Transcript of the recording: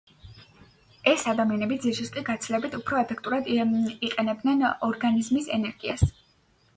ეს ადამიანები ძილშიც კი გაცილებით უფრო ეფექტურად იყენებდნენ ორგანიზმის ენერგიას.